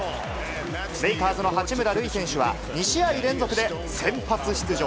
レイカーズの八村塁選手は、２試合連続で先発出場。